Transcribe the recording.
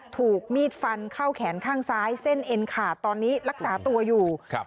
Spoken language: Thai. ถูกมีดฟันเข้าแขนข้างซ้ายเส้นเอ็นขาดตอนนี้รักษาตัวอยู่ครับ